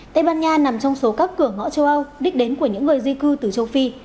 tây ban nha nằm trong số các cửa ngõ châu âu đích đến của những người di cư từ châu phi